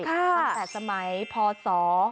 ค่ะภาษาสมัยพศ๘